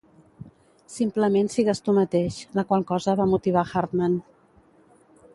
Simplement sigues tu mateix, la qual cosa va motivar Hartman.